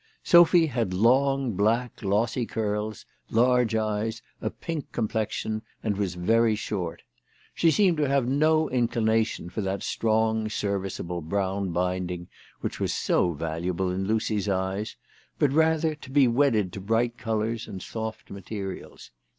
Sophy had long, black, glossy curls, large eyes, a pink complexion, and was very short. She seemed to have no inclination for that strong, serviceable brown binding which was so valuable in Lucy's eyes ; but rather to be wedded to bright colours and soft materials.